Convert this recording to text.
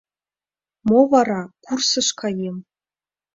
— Мо вара, курсыш каем.